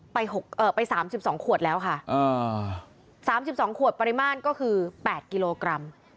ไปหกเอ่อไปสามสิบสองขวดแล้วค่ะอ่าสามสิบสองขวดปริมาณก็คือแปดกิโลกรัม